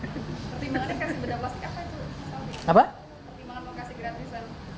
pertimbangan kasih gratis